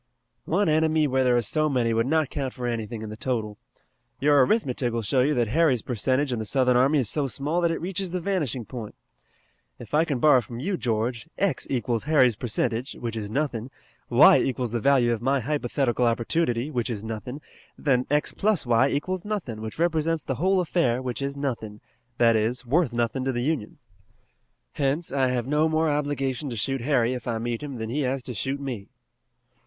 "One enemy where there are so many would not count for anything in the total. Your arithmetic will show you that Harry's percentage in the Southern army is so small that it reaches the vanishing point. If I can borrow from you, George, x equals Harry's percentage, which is nothing, y equals the value of my hypothetical opportunity, which is nothing, then x plus y equals nothing, which represents the whole affair, which is nothing, that is, worth nothing to the Union. Hence I have no more obligation to shoot Harry if I meet him than he has to shoot me."